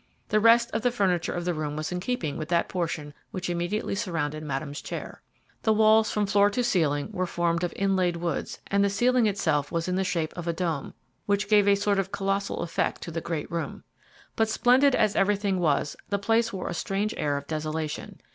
The rest of the furniture of the room was in keeping with that portion which immediately surrounded Madame's chair. The walls from floor to ceiling were formed of inlaid woods, and the ceiling itself was in the shape of a dome, which gave a sort of colossal effect to the great room. But, splendid as everything was, the place wore a strange air of desolation.